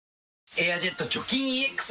「エアジェット除菌ＥＸ」